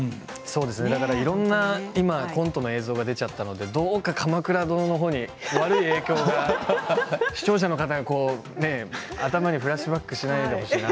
今いろんなコントの映像が出てしまったので、どうか「鎌倉」のほうに悪い影響がないように視聴者の方が頭の中でフラッシュバックするのも。